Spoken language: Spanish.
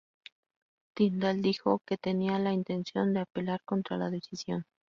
Tindall dijo que tenía la intención de apelar contra la decisión.